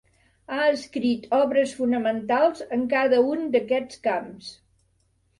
Ha escrit obres fonamentals en cada un d'aquests camps.